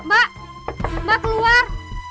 bapak ayo pergi keluar